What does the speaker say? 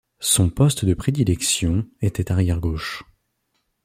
Son poste de prédilection était arrière gauche.